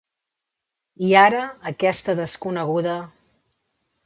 I ara, aquesta desconeguda…